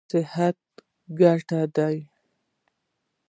صحت ګټه ده.